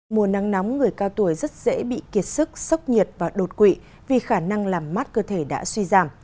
mùa nắng nóng người cao tuổi rất dễ bị kiệt sức sốc nhiệt và đột quỵ vì khả năng làm mát cơ thể đã suy giảm